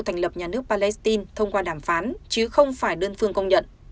thành lập nhà nước palestine thông qua đàm phán chứ không phải đơn phương công nhận